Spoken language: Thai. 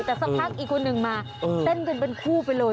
แต่สักพักอีกคนหนึ่งมาเต้นกันเป็นคู่ไปเลย